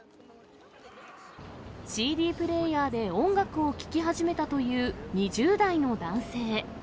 ＣＤプレーヤーで音楽を聴き始めたという２０代の男性。